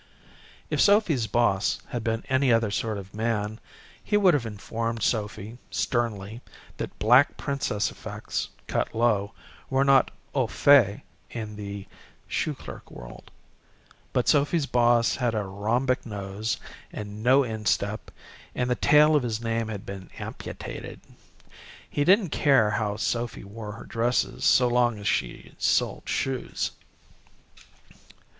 If Sophy's boss had been any other sort of man he would have informed Sophy, sternly, that black princess effects, cut low, were not au fait in the shoe clerk world. But Sophy's boss had a rhombic nose, and no instep, and the tail of his name had been amputated. He didn't care how Sophy wore her dresses so long as she sold shoes.